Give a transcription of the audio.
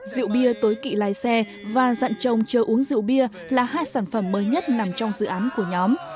rượu bia tối kỵ lái xe và dặn chồng chờ uống rượu bia là hai sản phẩm mới nhất nằm trong dự án của nhóm